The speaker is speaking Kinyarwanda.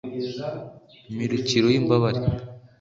mirukiro y'imbabare